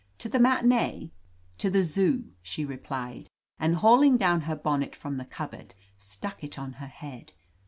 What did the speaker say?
To the matinee ?" "To the Zoo/' she replied, and hauling down her bonnet from the cupboard, stuck it on her head.